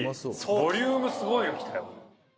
ボリュームすごいの来たよ。